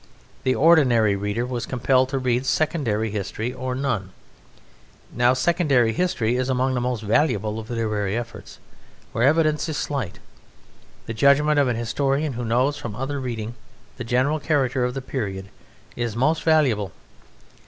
The ordinary reader was compelled to read secondary history or none. Now secondary history is among the most valuable of literary efforts; where evidence is slight, the judgment of an historian who knows from other reading the general character of the period, is most valuable.